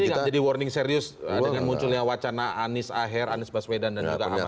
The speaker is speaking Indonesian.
tapi ini nggak jadi warning serius dengan munculnya wacana anies aher anies baswedan dan juga ahmad riawan